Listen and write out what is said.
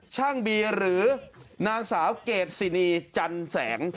นางสาวเกรดสินีจันแสง